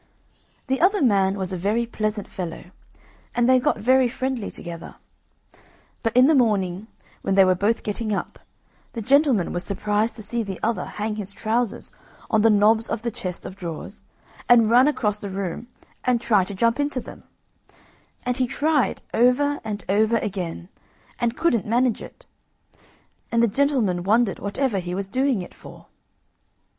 The other man was a very pleasant fellow, and they got very friendly together; but in the morning, when they were both getting up, the gentleman was surprised to see the other hang his trousers on the knobs of the chest of drawers and run across the room and try to jump into them, and he tried over and over again, and couldn't manage it; and the gentleman wondered whatever he was doing it for.